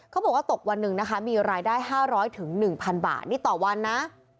เขาบอกว่าตกวันหนึ่งนะคะมีรายได้๕๐๐๑๐๐บาทนี่ต่อวันนะ